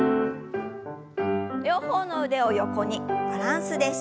両方の腕を横にバランスです。